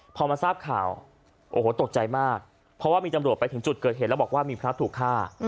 พอมาทราบข่าวโอ้โหตกใจมากเพราะว่ามีตำรวจไปถึงจุดเกิดเหตุแล้วบอกว่ามีพระถูกฆ่า